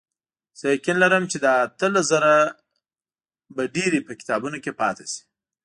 زه یقین لرم چې له اتلس زره به ډېرې په کتابونو کې پاتې شي.